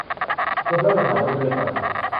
ชวนเพื่อนไปถ่ายรูปด้วยกัน